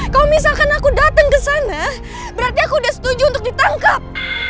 kalau misalkan aku datang ke sana berarti aku udah setuju untuk ditangkap